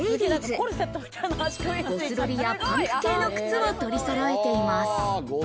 ゴスロリやパンク系の靴も取りそろえています。